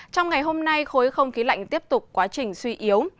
trong ngày hôm nay khối không khí lạnh tiếp tục quá trình suy yếu